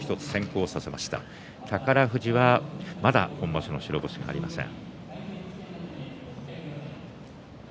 宝富士は、まだ今場所、白星がありません。